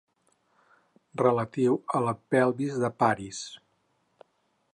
Relatiu a la pelvis de Paris.